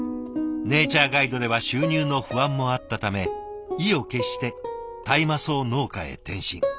ネイチャーガイドでは収入の不安もあったため意を決して大麻草農家へ転身。